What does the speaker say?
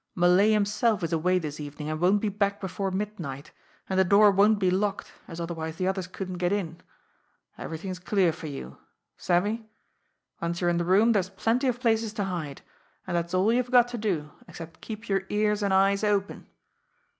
Malay himself is away this evening and won't be back before midnight; and the door won't be locked, as otherwise the others couldn't get in. Everything's clear for you. Savvy? Once you're in the room, there's plenty of places to hide and that's all you've got to do, except keep your ears and eyes open.